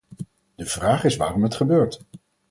De vraag is waarom het gebeurt.